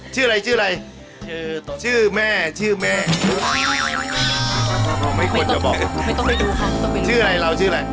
ชื่ออะไรเราชื่ออะไร